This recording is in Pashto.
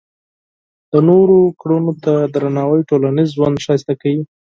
د نورو کړنو ته درناوی ټولنیز ژوند ښایسته کوي.